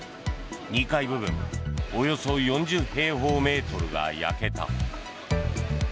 ２階部分およそ４０平方メートルが焼けた。